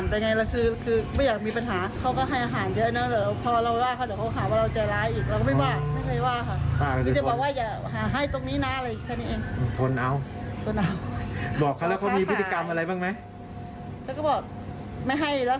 เดี๋ยวเราก็เก็บเอาอะไรเอา